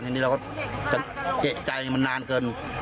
ทีนี้เราก็สังเกตใจมันนานเกิน